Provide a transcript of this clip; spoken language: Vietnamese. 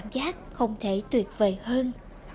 một cảm giác không thể tuyệt vời hơn